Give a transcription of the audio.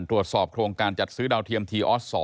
ตรวจสอบโครงการจัดซื้อดาวเทียมทีออส๒